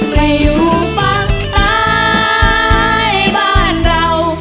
ไปอยู่ฝั่งซ้ายบ้านเรา